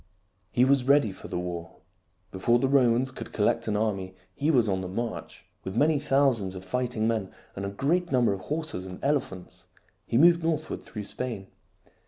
He was ready for the war. Before the Romans could collect an army he was on the march. With many thousands of fighting men and a great num ber of horses and elephants, he moved northward through Spain.